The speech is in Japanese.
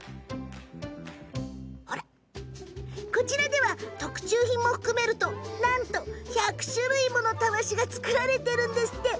こちらでは、特注品も含めるとなんと１００種類ものたわしが作られているんですって。